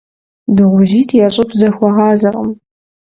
Дыгъужьитӏ я щӏыб зэхуагъазэркъым.